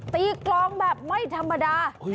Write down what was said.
กลองแบบไม่ธรรมดา